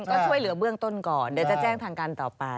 ก็ช่วยเหลือเบื้องต้นก่อนเดี๋ยวจะแจ้งทางการต่อไป